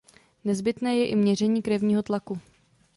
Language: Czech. Nezbytné je i měření krevního tlaku.